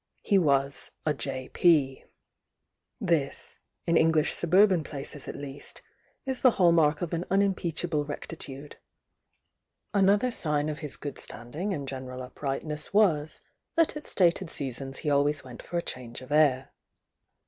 He was a J.P This,— in Engliii suburban places at least,— 18 the hall mark of an unimpeachable recti THE YOUNG DIANA la tude. Another sign of his good standing and gen eral uprightness was, that at stated seasons he al ways went for a change of air.